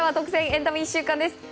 エンタメ１週間。